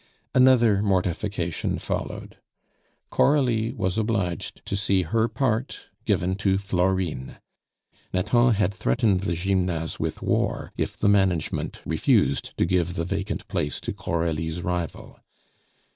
Another mortification followed. Coralie was obliged to see her part given to Florine. Nathan had threatened the Gymnase with war if the management refused to give the vacant place to Coralie's rival.